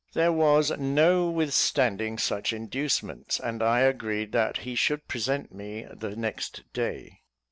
There was no withstanding such inducements, and I agreed that he should present me the next day.